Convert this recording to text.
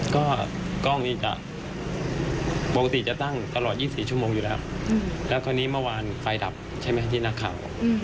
ก็กล้องนี้จะปกติจะตั้งตลอด๒๔ชั่วโมงอยู่แล้วแล้วคราวนี้เมื่อวานไฟดับใช่ไหมที่นักข่าว